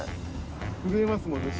震えますもんね